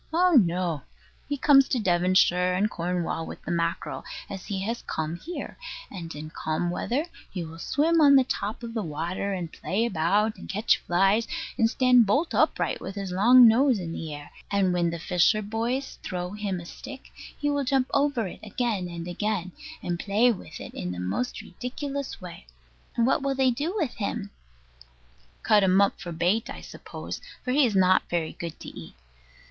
Oh no: he comes to Devonshire and Cornwall with the mackerel, as he has come here; and in calm weather he will swim on the top of the water, and play about, and catch flies, and stand bolt upright with his long nose in the air; and when the fisher boys throw him a stick, he will jump over it again and again, and play with it in the most ridiculous way. And what will they do with him? Cut him up for bait, I suppose, for he is not very good to eat.